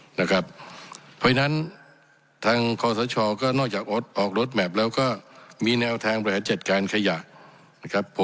เพราะฉะนั้นทางคอสชก็นอกจากออกรถแมพแล้วก็มีแนวทางบริหารจัดการขยะนะครับ